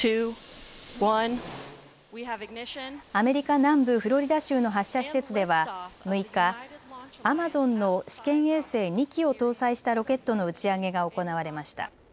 アメリカ南部フロリダ州の発射施設では６日、アマゾンの試験衛星２基を搭載したロケットの打ち上げが行われました。